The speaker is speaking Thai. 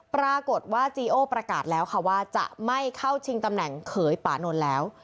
ปรากฏว่าจีโอประกาศแล้วค่ะว่าจะไม่เข้าชิงตำแหน่งเขยป่านนท์แล้ว